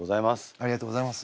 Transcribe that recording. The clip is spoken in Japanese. ありがとうございます。